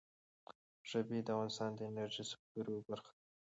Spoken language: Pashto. ژبې د افغانستان د انرژۍ سکتور یوه برخه ده.